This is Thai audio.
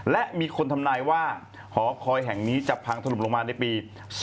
และมีคนทำนายว่าหอคอยแห่งนี้จะพังถล่มลงมาในปี๒๕๖